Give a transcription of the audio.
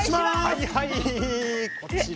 はいはいこちら。